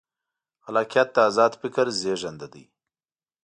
خلاقیت د ازاد فکر زېږنده دی.